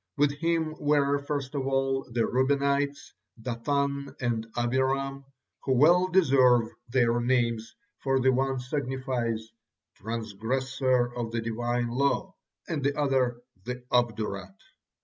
With him were, first of all, the Reubenites, Dathan and Abiram, who well deserve their names, for the one signifies, "transgressor of the Divine law," and the other, "the obdurate."